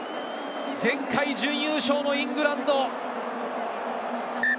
前回準優勝のイングランド。